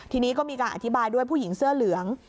ทีนี้ก็มีการอธิบายด้วยผู้หญิงเสื้อเหลือง